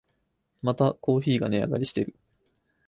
またコーヒーが値上がりしてる